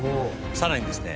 さらにですね